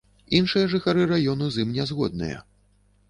Іншыя жыхары раёну з ім нязгодныя.